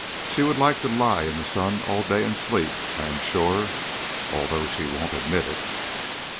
She would like to lie in the sun all day and sleep, I am sure; although she won't admit it."